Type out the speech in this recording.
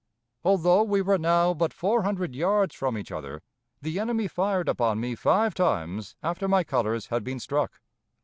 Although we were now but four hundred yards from each other, the enemy fired upon me five times after my colors had been struck.